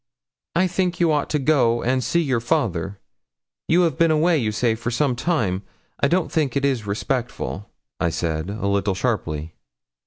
'I think you ought to go and see your father; you have been away, you say, some time. I don't think it is respectful,' I said, a little sharply.